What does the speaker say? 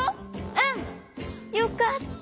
うん！よかった！